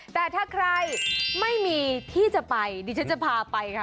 แต่ถ้าใครไม่มีที่จะไปดิฉันจะพาไปค่ะ